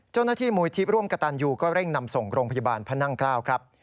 เจ้าหน้าที่มูลที่ร่วมกระตันยูก็เร่งนำส่งโรงพยาบาลพระนั่งเกล้าครับ